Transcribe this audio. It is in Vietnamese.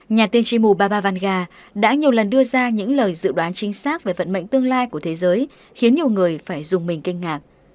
nhà tiên tri mù baba vanga đã nhiều lần đưa ra những lời dự đoán chính xác về phận mệnh tương lai của thế giới khiến nhiều người phải dùng mình kinh ngạc